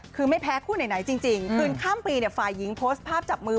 คือไม่แพ้คู่ไหนจริงคืนข้ามปีฝ่ายหญิงโพสต์ภาพจับมือ